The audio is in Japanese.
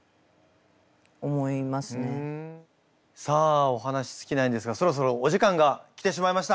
さあお話尽きないんですがそろそろお時間が来てしまいました。